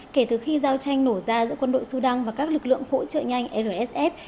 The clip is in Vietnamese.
kể từ khi giao tranh nổ ra giữa quân đội sudan và các lực lượng hỗ trợ nhanh rsf